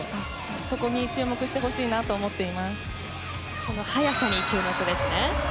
そこに注目してほしいと速さに注目ですね。